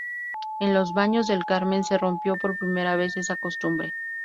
En los Baños del Carmen se rompió por primera vez esa costumbre.